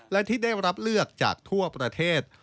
และที่ได้รับเลือกจากทั่วประเทศ